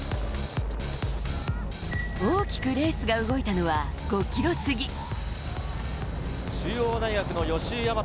大きくレースが動いたのは５ｋｍ過ぎ。